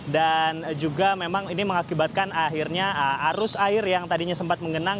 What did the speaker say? dan juga memang ini mengakibatkan akhirnya arus air yang tadinya sempat menggenang